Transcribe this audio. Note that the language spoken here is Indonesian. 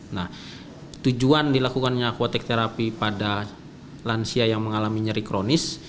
nah tujuan dilakukannya akuotik terapi pada lansia yang mengalami nyeri kronis